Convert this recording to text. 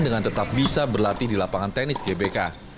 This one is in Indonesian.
dengan tetap bisa berlatih di lapangan tenis gbk